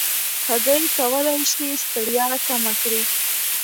هګۍ کولی شي ستړیا کمه کړي.